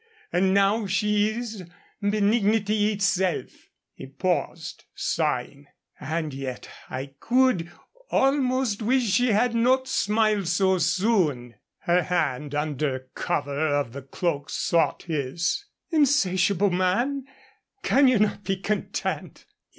And now she is benignity itself." He paused, sighing. "And yet I could almost wish she had not smiled so soon." Her hand under cover of the cloak sought his. "Insatiable man, can you not be content?"